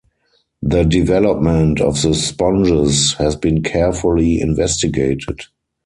The development of the sponges has been carefully investigated.